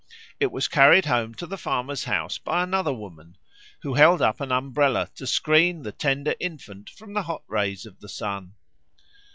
It was carried home to the farmer's house by another woman, who held up an umbrella to screen the tender infant from the hot rays of the sun.